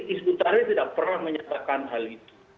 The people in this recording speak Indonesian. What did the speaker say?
isbutari tidak pernah menyatakan hal itu